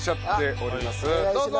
どうぞ！